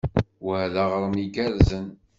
Wa d aɣrem igerrzen.